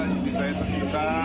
ini saya tercinta